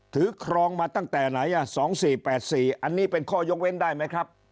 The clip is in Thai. ครองมาตั้งแต่ไหน๒๔๘๔อันนี้เป็นข้อยกเว้นได้ไหมครับ